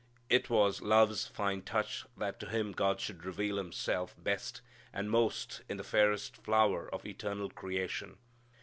It was love's fine touch that to him God should reveal Himself best and most in the fairest flower of the eternal creation.